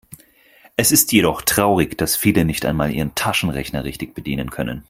Es ist jedoch traurig, dass viele nicht einmal ihren Taschenrechner richtig bedienen können.